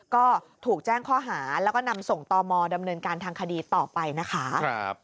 ก็ถูกแจ้งข้อหาแล้วก็นำส่งตมดำเนินการทางคดีต่อไปนะคะ